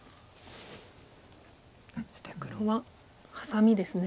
そして黒はハサミですね